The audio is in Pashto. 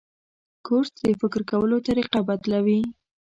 کورس د فکر کولو طریقه بدلوي.